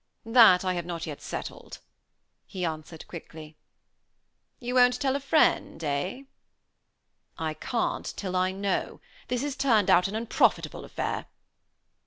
"That I have not yet settled," he answered quickly. "You won't tell a friend, eh?" "I can't till I know. This has turned out an unprofitable affair."